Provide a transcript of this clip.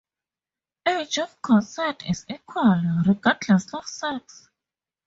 Age of consent is equal, regardless of sex.